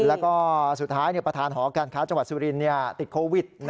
แล้วก็สุดท้ายประธานหอการค้าจังหวัดสุรินติดโควิด